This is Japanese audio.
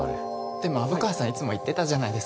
でも虻川さんいつも言ってたじゃないですか。